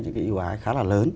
những cái yêu ái khá là lớn